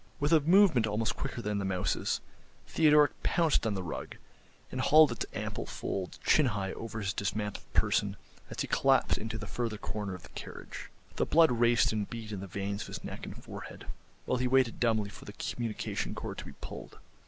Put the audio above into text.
With a movement almost quicker than the mouse's, Theodoric pounced on the rug, and hauled its ample folds chin high over his dismantled person as he collapsed into the further corner of the carriage. The blood raced and beat in the veins of his neck and forehead, while he waited dumbly for the communication cord to be pulled.